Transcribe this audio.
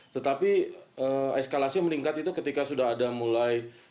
tetapi eskalasi meningkat itu ketika sudah ada mulai